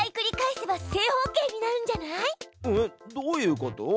えっどういうこと？